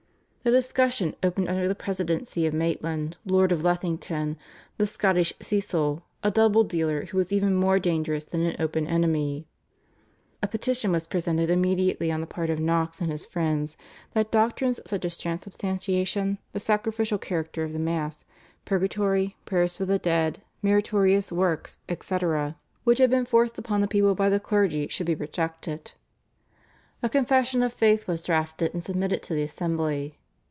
The discussion opened under the presidency of Maitland, Lord of Lethington, the Scottish Cecil, a double dealer who was even more dangerous than an open enemy. A petition was presented immediately on the part of Knox and his friends that doctrines such as Transubstantiation, the sacrificial character of the Mass, Purgatory, prayers for the dead, meritorious works, etc., which had been forced upon the people by the clergy should be rejected. A confession of faith was drafted and submitted to the assembly.